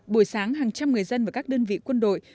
buổi sáng hàng trăm người dân và các đơn vị quân đội